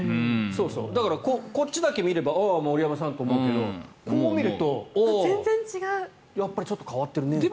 だからこっちだけ見ればああ、森山さんと思うけどこう見るとやっぱりちょっと変わってるねという。